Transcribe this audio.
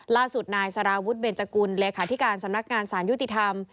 ล่าสุดนายสารวุฒิเบนจกุลเลขาธิการสำนักงานสารยุติธรรม